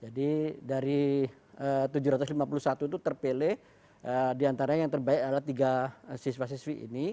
jadi dari tujuh ratus lima puluh satu itu terpilih diantara yang terbaik adalah tiga siswa siswi ini